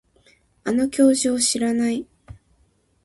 あの教授を知らない